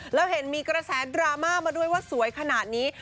แล้วเห็นมีกระแสดราม่ามาด้วยว่าสวยขนาดนี้